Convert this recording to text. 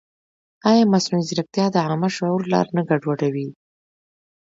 ایا مصنوعي ځیرکتیا د عامه شعور لار نه ګډوډوي؟